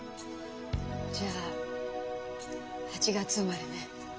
じゃあ８月生まれね。